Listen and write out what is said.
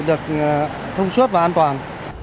được thông suốt và an toàn